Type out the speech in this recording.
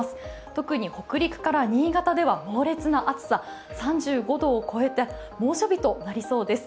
特に北陸から新潟では猛烈な暑さ、３５度を超えた猛暑日となりそうです。